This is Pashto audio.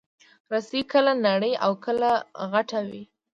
رسۍ کله نرۍ او کله غټه وي.